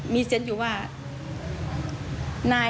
มีเซ็นต์อยู่ว่า